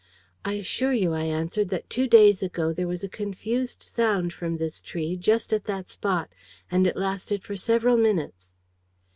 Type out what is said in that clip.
"'I assure you,' I answered, 'that two days ago there was a confused sound from this tree, just at this spot. And it lasted for several minutes.'